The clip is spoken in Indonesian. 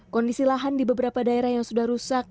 kondisi lahan di beberapa daerah yang sudah rusak